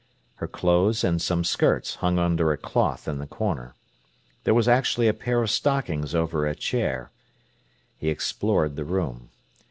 Her clothes and some skirts hung under a cloth in a corner. There was actually a pair of stockings over a chair. He explored the room.